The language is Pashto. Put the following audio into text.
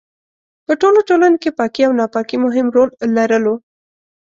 په ټولو ټولنو کې پاکي او ناپاکي مهم رول لرلو.